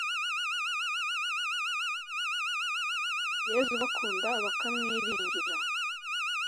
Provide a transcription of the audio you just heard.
yezu ubakunda, bakamwiringira